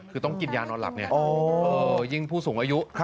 คือต้องกินยานอนหลับไงยิ่งผู้สูงอายุ